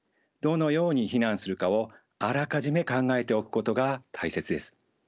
どのように避難するかをあらかじめ考えておくことが大切です。